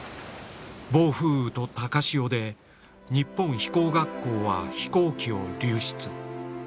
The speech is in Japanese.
暴風雨と高潮で日本飛行学校は飛行機を流失。